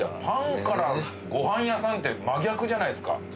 パンからご飯屋さんって真逆じゃないですか。